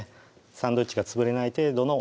サンドイッチが潰れない程度のおもし